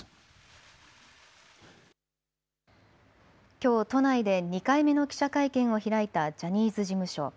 きょう都内で２回目の記者会見を開いたジャニーズ事務所。